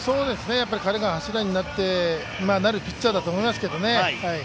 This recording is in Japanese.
彼が柱になってなるピッチャーだと思いますけどね。